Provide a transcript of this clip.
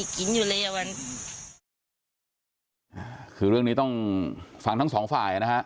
คือเรื่องนี้ต้องฟังทั้งสองฝ่ายนะฮะ